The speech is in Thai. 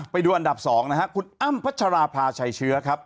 ไปดูอันดับ๒นะฮะคุณอ้ำพัชราภาชัยเชื้อครับ